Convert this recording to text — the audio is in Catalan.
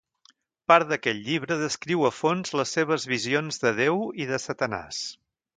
Part d'aquest llibre descriu a fons les seves visions de Déu i de Satanàs.